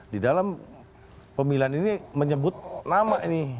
di dalam pemilihan ini menyebut nama ini